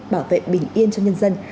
bảo vệ bình yên cho nhân dân